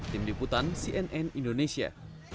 tim diputan cnn indonesia